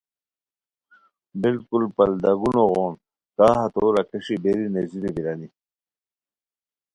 بالکل پلداگونو غون کا ہتو راکھیݰی بیری نیزیرو بیرانی